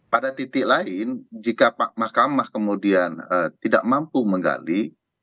pada titik lain jika pak mahkamah kemudian tidak mampu menggali